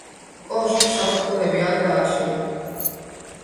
კოშკს სათოფურები არ გააჩნია.